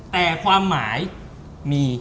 แต่ความหมายมี